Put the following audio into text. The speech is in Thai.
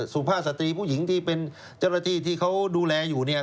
สุภาพสตรีผู้หญิงที่เป็นเจ้าหน้าที่ที่เขาดูแลอยู่เนี่ย